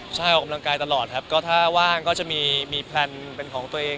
ใช่ออกกำลังกายตลอดครับก็ถ้าว่างก็จะมีแพลนเป็นของตัวเอง